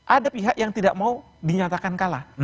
ada pihak yang tidak mau dinyatakan kalah